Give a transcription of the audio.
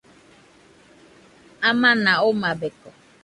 Amana omabeko.